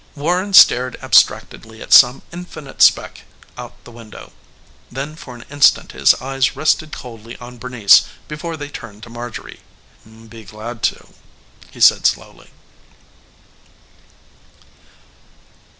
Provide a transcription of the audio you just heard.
Warren stared abstractedly at some infinite speck out the window. Then for an instant his eyes rested coldly on Bernice before they turned to Marjorie. "Be glad to," he said slowly.